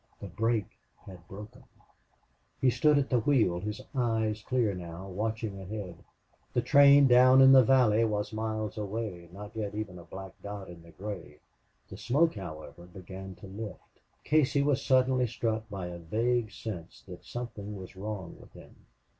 The brake had broken. He stood at the wheel, his eyes clear now, watching ahead. The train down in the valley was miles away, not yet even a black dot in the gray. The smoke, however, began to lift. Casey was suddenly struck by a vague sense that something was wrong with him.